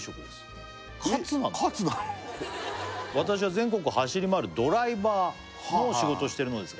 「私は全国を走り回るドライバーの仕事をしてるのですが」